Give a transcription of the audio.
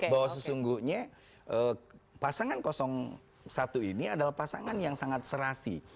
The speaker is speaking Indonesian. bahwa sesungguhnya pasangan satu ini adalah pasangan yang sangat serasi